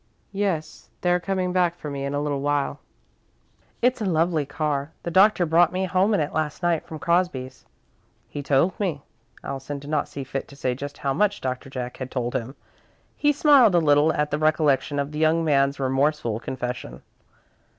"Yes. They're coming back for me in a little while." "It's a lovely car. The Doctor brought me home in it last night, from Crosby's." "So he told me." Allison did not see fit to say just how much Doctor Jack had told him. He smiled a little at the recollection of the young man's remorseful confession.